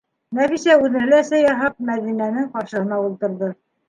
- Нәфисә, үҙенә лә сәй яһап, Мәҙинәнең ҡаршыһына ултырҙы.